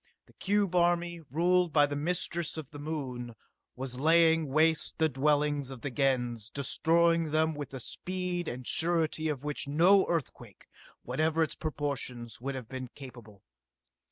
The cube army, ruled by the mistress of the Moon, was laying waste the dwellings of the Gens, destroying them with a speed and surety of which no earthquake, whatever its proportions, would have been capable.